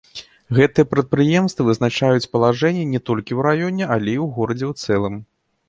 Гэтыя прадпрыемствы вызначаюць палажэнне не толькі ў раёне, але і ў горадзе ў цэлым.